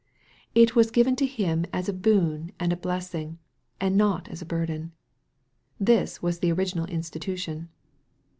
It was given to him as a boon and a blessing, and not as a burden. This was the original institution.